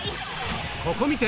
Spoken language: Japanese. ここ観て！